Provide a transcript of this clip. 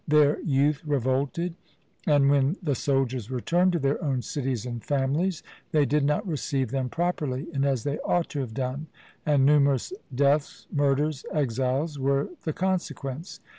Their youth revolted; and when the soldiers returned to their own cities and families, they did not receive them properly, and as they ought to have done, and numerous deaths, murders, exiles, were the consequence.